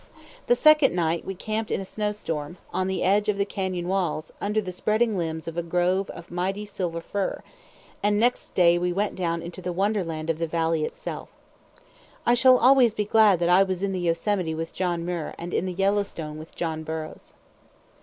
The second night we camped in a snow storm, on the edge of the canyon walls, under the spreading limbs of a grove of mighty silver fir; and next day we went down into the wonderland of the valley itself. I shall always be glad that I was in the Yosemite with John Muir and in the Yellowstone with John Burroughs.